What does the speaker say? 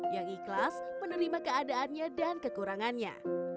yang ikhlas menerima keadaannya dan kekurangannya